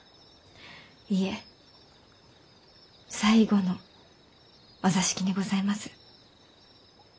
いえ最後のお座敷にございます。